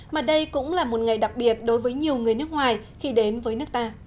mà đây cũng là một ngày đặc biệt đối với nhiều người nước ngoài khi đến với nước ta